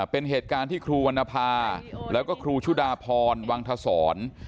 เป็นเหตุการณ์ที่ครูวรรณภาแล้วก็ครูชุดาพรวังทศร